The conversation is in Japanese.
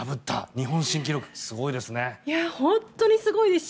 日本新記録、すごいですね。